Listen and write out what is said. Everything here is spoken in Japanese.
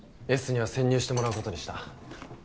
Ｓには潜入してもらうことにした。